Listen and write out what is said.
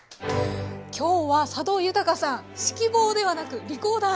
今日は佐渡裕さん指揮棒ではなくリコーダー。